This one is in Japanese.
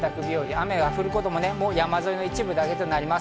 雨が降ることも山沿いの一部だけとなります。